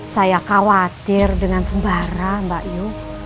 saya khawatir dengan sembara mbak yu